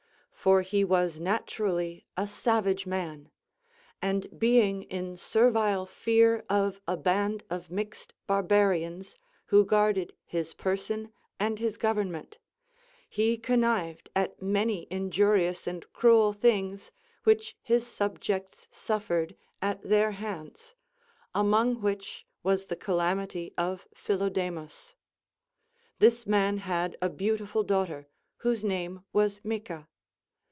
For he was naturally a savage man ; and being in servile fear of a band of mixed barba rians, who guarded his person and his government, he con nived at many injurious and cruel things which his subjects suffered at their hands, among which was the calamity of Philodemus. This man had a beautiful daughter, whose 358 CONCERNING THE VIRTUES OF WOMEN. name Avas Micca.